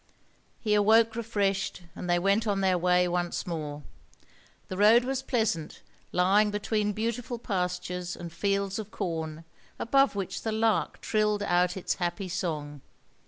He awoke refreshed, and they went on their way once more. The road was pleasant, lying between beautiful pastures and fields of corn, above which the lark trilled out its happy song.